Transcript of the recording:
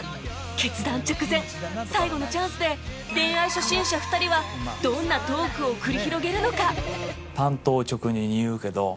決断直前最後のチャンスで恋愛初心者２人はどんなトークを繰り広げるのか？